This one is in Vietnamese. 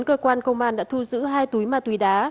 cơ quan công an đã thu giữ hai túi ma túy đá